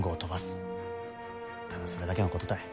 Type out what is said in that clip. ただそれだけのことたい。